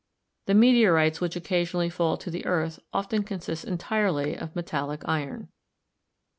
The meteorites which occasionally fall to the earth often consist entirely of metallic iron.